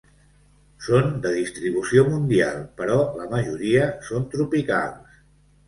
Són de distribució mundial, però la majoria són tropicals.